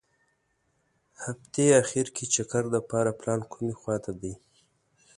هغتې اخیر کې چکر دپاره پلان کومې خوا ته دي.